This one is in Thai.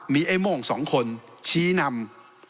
มีไอ้โม่ง๒คนชี้นำ